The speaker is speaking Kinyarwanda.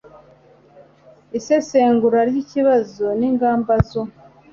isesengura ry ibibazo n ingamba zo